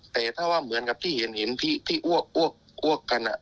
แต่ถ้าว่าเหมือนกับที่เห็นที่อ้วกกัน